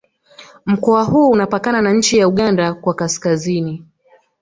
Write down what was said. Mkoa huu unapakana na nchi ya Uganda kwa Kaskazini